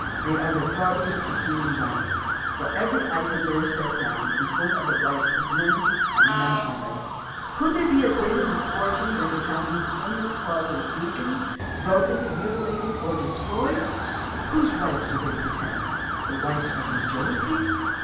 They are the guardians of human rights, for every item there set down is one of the rights of men and none other. Could there be a greater misfortune than 120 THE CONSTITUTION AND to have these famous clauses weakened, broken, muti lated, or destroyed ? Whose rights do they protect — the rights of majorities?